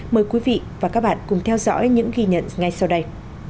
mời quý vị và các bạn cùng theo dõi những ghi nhận ngay sau đây